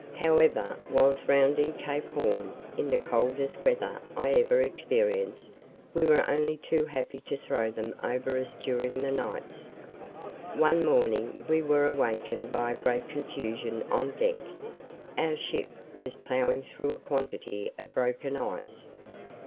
However, whilst rounding Cape Horn, in the coldest weather I ever experienced, we were only too happy to throw them over us during the nights. One morning we were awakened by a great confusion on deck. Our ship was ploughing through a quantity of broken ice.